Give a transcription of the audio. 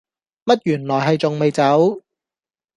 乜原來係仲未走